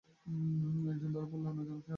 একজন ধরা পড়লেও অন্যজন ফেরার।